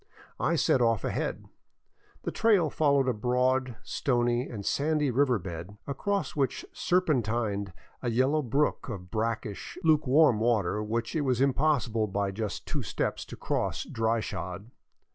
I set off ahead. The trail followed a broad, stony and sandy river bed across which serpentined a yellow brook of brackish, luke warm water which it was impossible by just two steps to cross dry shod.